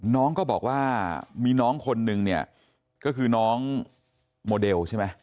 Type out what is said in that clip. น้องก็บอกว่ามีน้องคนนึงเนี่ยก็คือน้องโมเดลใช่ไหม